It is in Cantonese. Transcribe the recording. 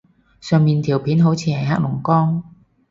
上面條片好似係黑龍江